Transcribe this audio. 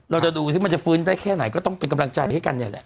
เราจะดูซึ่งมันจะฟื้นได้แค่ไหนก็ต้องเป็นกำลังใจให้กันเนี่ย